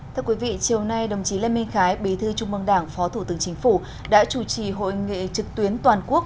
thưa quý vị chiều nay đồng chí lê minh khái bí thư trung mương đảng phó thủ tướng chính phủ đã chủ trì hội nghị trực tuyến toàn quốc